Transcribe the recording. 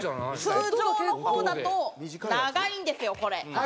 通常の方だと長いんですよこれ。